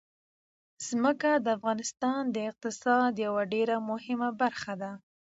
ځمکه د افغانستان د اقتصاد یوه ډېره مهمه برخه ده.